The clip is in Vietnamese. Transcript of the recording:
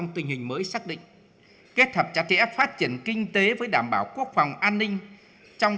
tình hình mới xác định kết hợp chặt chẽ phát triển kinh tế với đảm bảo quốc phòng an ninh trong